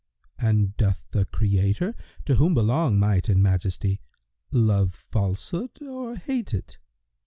And doth the Creator (to whom belong Might and Majesty!) love Falsehood or hate it?